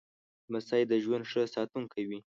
لمسی د ژوند ښه ساتونکی وي.